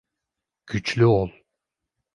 Güçlü ol.